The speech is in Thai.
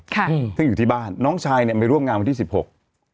อืมซึ่งอยู่ที่บ้านน้องชายเนี้ยไปร่วมงานวันที่สิบหก